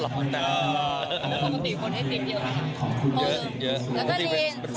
แล้วก็ปกติคนให้ติ๊บเยอะหรอครับ